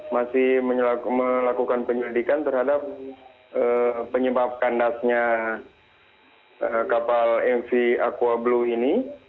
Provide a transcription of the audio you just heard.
masih melakukan penyelidikan terhadap penyebab kandasnya kapal mv aqua blue ini